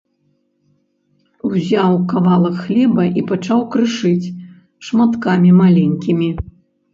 Узяў кавалак хлеба і пачаў крышыць шматкамі маленькімі.